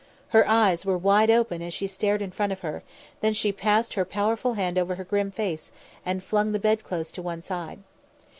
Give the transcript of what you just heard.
Her eyes were wide open as she stared in front of her, then she passed her powerful hand over her grim face and flung the bedclothes to one side.